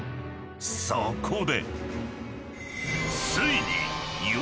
［そこで］